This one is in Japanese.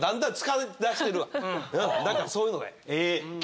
何かそういうのがいい。